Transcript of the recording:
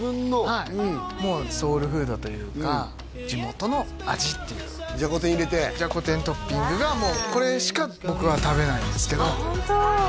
はいもうソウルフードというか地元の味っていうじゃこ天入れてじゃこ天トッピングがもうこれしか僕は食べないんですけどあっホント？